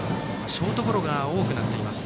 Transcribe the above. ショートゴロが多くなっています。